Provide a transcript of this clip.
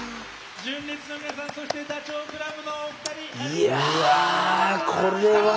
純烈の皆さんそしてダチョウ倶楽部のお二人有吉弘行さん